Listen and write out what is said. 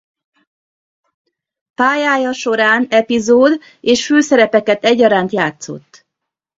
Pályája során epizód- és főszerepeket egyaránt játszott.